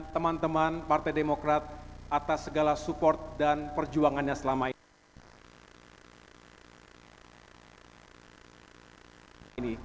teman teman partai demokrat atas segala support dan perjuangannya selama ini